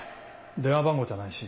電話番号じゃないし。